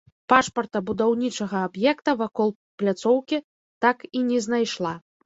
Пашпарта будаўнічага аб'екта вакол пляцоўкі не так і не знайшла.